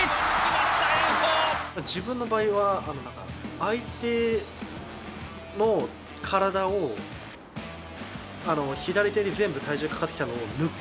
自分の場合は相手の体を左手に全部体重かかってきたのを抜くような下手投げなんです。